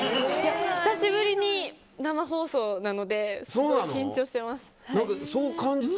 久しぶりに生放送なのですごい緊張してます。